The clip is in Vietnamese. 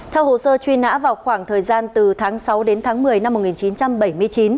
theo hồ sơ truy nã vào khoảng thời gian từ tháng sáu đến tháng một mươi năm một nghìn chín trăm bảy mươi chín